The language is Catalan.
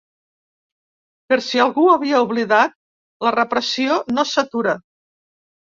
Per si algú ho havia oblidat, la repressió no s’atura.